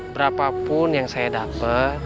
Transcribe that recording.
berapapun yang saya dapet